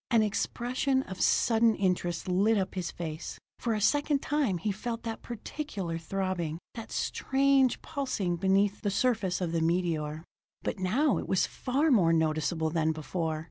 An expression of sudden interest lit up his face. For a second time he felt that particular throbbing, that strange pulsing beneath the surface of the meteor. But now it was far more noticeable than before.